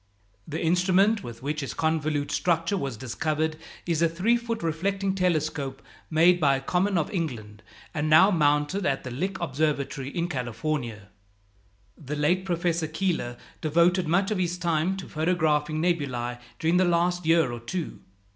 The instrument with which its convolute structure was discovered is a three foot reflecting telescope, made by Common of England, and now mounted at the Lick Observatory, in California. The late Professor Keeler devoted much of his time to photographing nebulæ during the last year or two.